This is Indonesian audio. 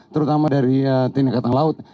terutama dari tni angkatan laut